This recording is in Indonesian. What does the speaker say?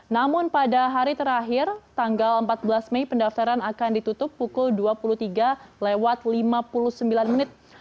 namun pada hari terakhir tanggal empat belas mei pendaftaran akan ditutup pukul dua puluh tiga lewat lima puluh sembilan menit